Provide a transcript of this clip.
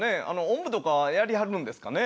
おんぶとかはやりはるんですかね？